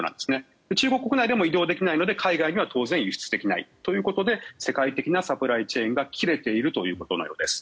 中国国内でも移動できないので海外にも当然輸出できないということで世界的なサプライチェーンが切れているということのようです。